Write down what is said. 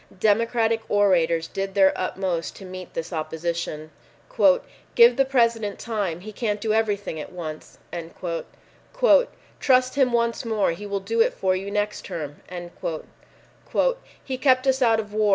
Democratic orators did their utmost to meet this opposition. "Give the President time. He can't do everything at once." "Trust him once more; he will do it for you next term." "He kept us out of war.